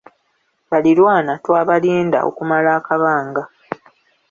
Baliraanwa twabalinda okumala akabanga.